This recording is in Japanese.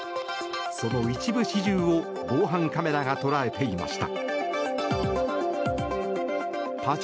その一部始終を防犯カメラが捉えていました。